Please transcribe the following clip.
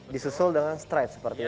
disusul dengan stride seperti ini